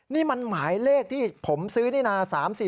นี่มันหมายเลขที่ผมซื้อนี่นะ